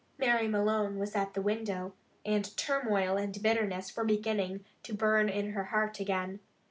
Mary Malone was at the window, and turmoil and bitterness were beginning to burn in her heart again.